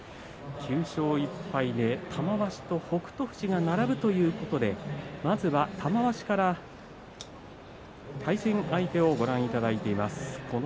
９勝１敗で玉鷲と北勝富士が並ぶということでまずは玉鷲から対戦相手をご覧いただいています。